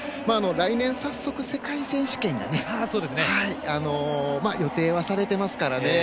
来年、早速世界選手権が予定はされていますから。